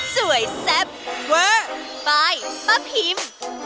สวยแซ่บเวอร์ไปป้าพิม